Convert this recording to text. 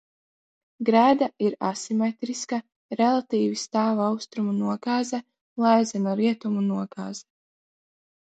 Grēda ir asimetriska – relatīvi stāva austrumu nogāze un lēzena rietumu nogāze.